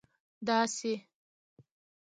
داسي